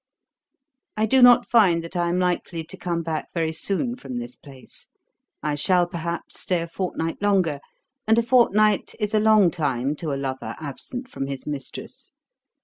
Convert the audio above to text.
'I do not find that I am likely to come back very soon from this place. I shall, perhaps, stay a fortnight longer; and a fortnight is a long time to a lover absent from his mistress.